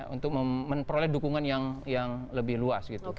untuk memperoleh dukungan yang lebih luas